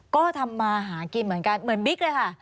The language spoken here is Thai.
ก็ทำมาหากินเหมือนกันเหมือนบิ๊กเลยค่ะ